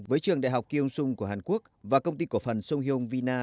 với trường đại học kiêng sung của hàn quốc và công ty cổ phần sung hyong vina